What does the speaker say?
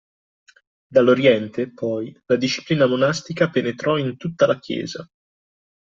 Dall'oriente, poi, la disciplina monastica penetrò in tutta la Chiesa